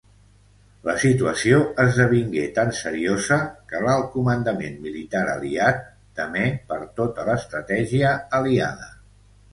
La situació esdevingué tan seriosa que l'alt comandament militar aliat temé per tota l'estratègia aliada.